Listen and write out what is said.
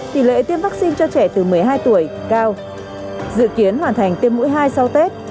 tỷ lệ tiêm vaccine cho trẻ từ một mươi hai tuổi cao dự kiến hoàn thành tiêm mũi hai sau tết